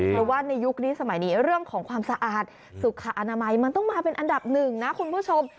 เพราะว่าในยุคนี้สมัยนี้เรื่องของความสะอาดสุขอนามัยมันต้องมาเป็นอันดับหนึ่งนะคุณผู้ชม